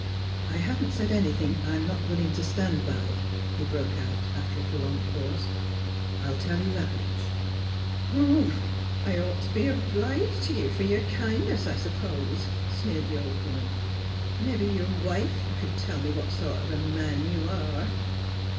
'^ I haven't said anything I'm not willing to stand by, '' he broke out, after a prolonged pause. ''I'll tell you that much." " Huh! I'd ought t' be 'bleeged t' ye, fer your kindness, I s'pose," sneered the old woman. " Mebbe your wife c'd tell me what sort of a man you are."